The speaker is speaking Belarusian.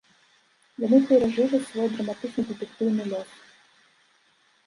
Яны перажылі свой драматычна-дэтэктыўны лёс.